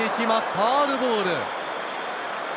ファウルボール。